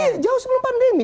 iya jauh sebelum pandemi